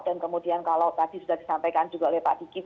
dan kemudian kalau tadi sudah disampaikan juga oleh pak dikif